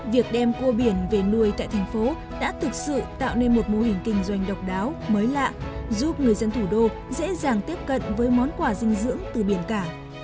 việc đem cua biển về nuôi tại thành phố đã thực sự tạo nên một mô hình kinh doanh độc đáo mới lạ giúp người dân thủ đô dễ dàng tiếp cận với món quà dinh dưỡng từ biển cả